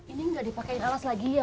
ini nggak dipakaiin alas lagi ya